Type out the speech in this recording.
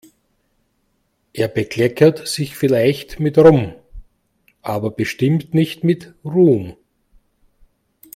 Er bekleckert sich vielleicht mit Rum, aber bestimmt nicht mit Ruhm.